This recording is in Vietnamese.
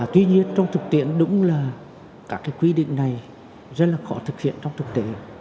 tuy nhiên trong thực tiễn đúng là các quy định này rất là khó thực hiện trong thực tế